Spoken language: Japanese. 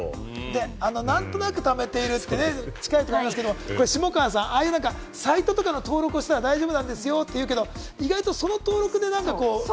何となく貯めているってね、近いですけど、下川さん、ああいうサイトとか登録したら大丈夫ですよっていうけど、その登録でね。